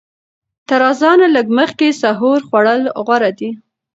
تر اذان لږ مخکې سحور خوړل غوره دي.